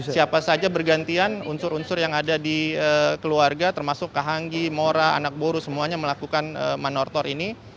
siapa saja bergantian unsur unsur yang ada di keluarga termasuk kahanggi mora anak boru semuanya melakukan manortor ini